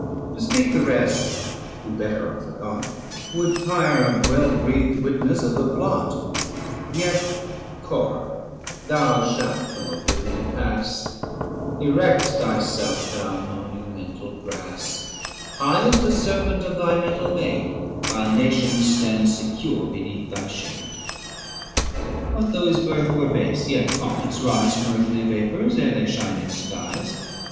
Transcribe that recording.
To speak the rest, who better are forgot, 630 Would tire a well breathed witness of the plot. ABSALOM AND ACHITOPHEL. 105 Yet, Corah, thou shall from oblivion pass; Erect thyself, thou monumental brass, High as the serpent of thy metal made, While nations stand secure beneath thy shade. 635 What though his birth were base, yet comets rise From earthy vapours, ere they shine in skies.